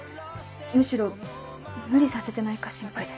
むしろ無理させてないか心配で。